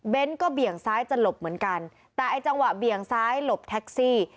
ก็เบี่ยงซ้ายจะหลบเหมือนกันแต่ไอ้จังหวะเบี่ยงซ้ายหลบแท็กซี่